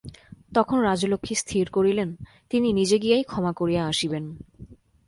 তখন রাজলক্ষ্মী স্থির করিলেন, তিনি নিজে গিয়াই ক্ষমা করিয়া আসিবেন।